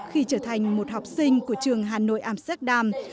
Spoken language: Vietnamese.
khi trở thành một học sinh của trường hà nội amsterdam